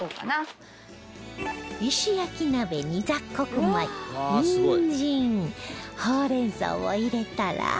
石焼き鍋に雑穀米ニンジンほうれん草を入れたら